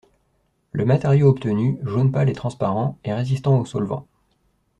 Le matériau obtenu, jaune pâle et transparent, est résistant aux solvants.